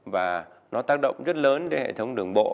và nó tác động rất lớn đến hệ thống đường bộ